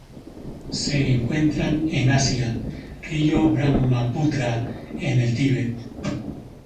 Se encuentran en Asia: río Brahmaputra en el Tíbet.